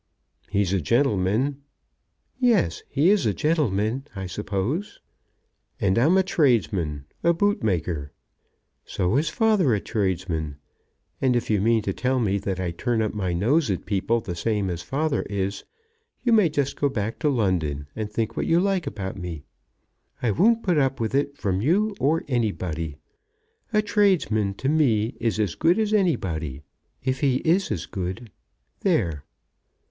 "He's a gentleman." "Yes; he is a gentleman, I suppose." "And I'm a tradesman, a bootmaker." "So is father a tradesman, and if you mean to tell me that I turn up my nose at people the same as father is, you may just go back to London and think what you like about me. I won't put up with it from you or anybody. A tradesman to me is as good as anybody, if he is as good. There."